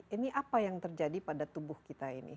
ini apa yang terjadi pada tubuh kita ini